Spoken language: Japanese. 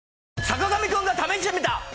『坂上くんが試してみた！！』。